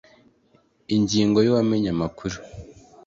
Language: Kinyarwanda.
Ingingo ya uwamenye amakuru